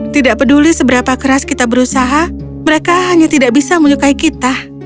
tidak peduli seberapa keras kita berusaha mereka hanya tidak bisa menyukai kita